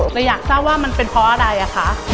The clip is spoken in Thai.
แต่อยากทราบว่ามันเป็นเพราะอะไร